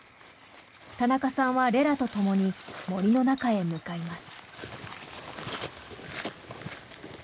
田中さんはレラとともに森の中へ向かいます。